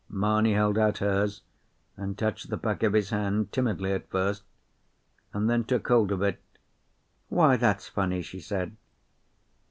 Mamie held out hers, and touched the back of his hand, timidly at first, and then took hold of it. "Why, that's funny," she said.